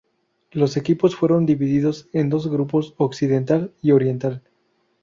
Los equipos fueron divididos en dos grupos, Occidental y Oriental.